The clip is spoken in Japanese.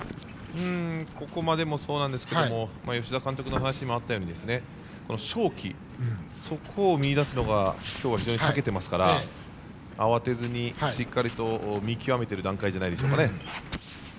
ここまでもそうなんですが吉田監督の話にもあったように勝機を見出すのが今日は非常にたけていますから慌てず、しっかりと見極めている段階じゃないでしょうかね。